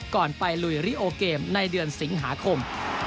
ก่อนไปลุยริโอเกมในเดือนสิงหาคม